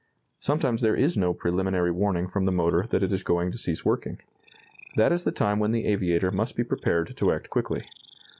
Sometimes there is no preliminary warning from the motor that it is going to cease working. That is the time when the aviator must be prepared to act quickly.